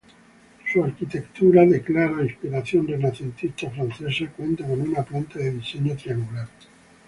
Su arquitectura de clara inspiración renacentista francesa, cuenta con una planta de diseño triangular.